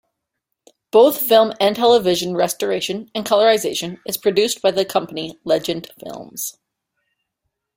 Both film and television restoration and colorization is produced by the company Legend Films.